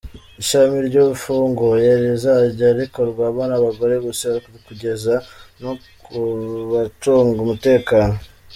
Ishami ryafunguye rizajya rikorwamo n’abagore gusa kugeza no ku bacunga umutekano.